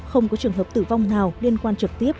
không có trường hợp tử vong nào liên quan trực tiếp